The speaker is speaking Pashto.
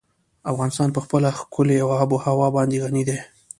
افغانستان په خپله ښکلې آب وهوا باندې غني دی.